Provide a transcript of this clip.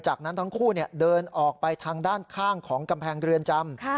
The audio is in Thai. จากนั้นทั้งคู่เดินออกไปทางด้านข้างของกำแพงเรือนจำ